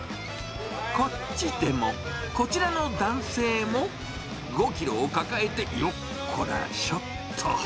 こっちでも、こちらの男性も、５キロを抱えてよっこらしょっと。